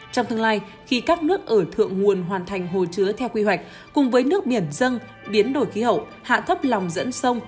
trong tương lai khi các nước ở thượng nguồn hoàn thành hồ chứa theo quy hoạch cùng với nước biển dân biến đổi khí hậu hạ thấp lòng dẫn sông